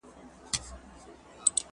مرګ له خپله لاسه !.